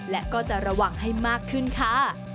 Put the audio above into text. และก็จะระวังให้มากขึ้นค่ะ